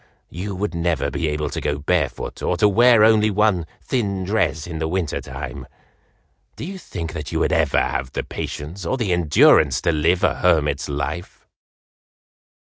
You would never be able to go barefoot or to wear only one thin dress in the winter time! Do you think that you would ever have the patience or the endurance to live a hermit's life?"